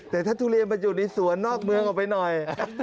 แต่ถ้าทุเรียนมันอยู่ในสวนนอกเมืองออกไปหน่อย